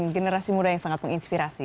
generasi muda yang sangat menginspirasi